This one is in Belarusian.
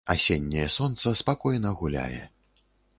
Асенняе сонца спакойна гуляе.